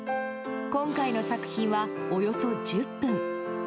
今回の作品は、およそ１０分。